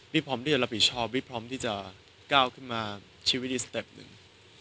พร้อมที่จะรับผิดชอบพี่พร้อมที่จะก้าวขึ้นมาชีวิตอีกสเต็ปหนึ่ง